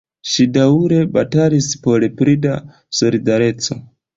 Ŝi daŭre batalis por pli da solidareco.